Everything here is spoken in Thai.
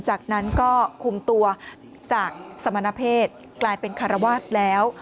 จากนั้นก็คุมตัวจากสมณเพศกลายเป็นคารวาสแล้ว